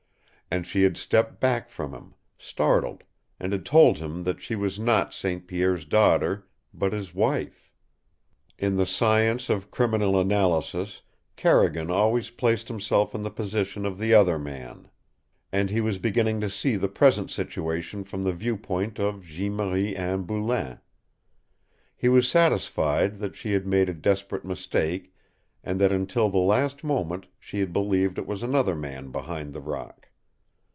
And she had stepped back from him, startled, and had told him that she was not St. Pierre's daughter, but his wife! In the science of criminal analysis Carrigan always placed himself in the position of the other man. And he was beginning to see the present situation from the view point of Jeanne Marie Anne Boulain. He was satisfied that she had made a desperate mistake and that until the last moment she had believed it was another man behind the rock.